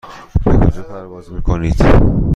به کجا پرواز میکنید؟